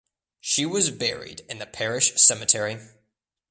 She was buried in the parish cemetery.